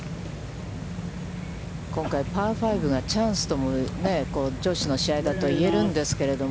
今回パー５がチャンスとも、女子の試合だと言えるんですけど、